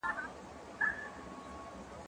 که وخت وي، قلم استعمالوموم!؟